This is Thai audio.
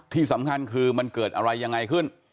ที่สำคัญคือมันเกิดอะไรยังไงขึ้น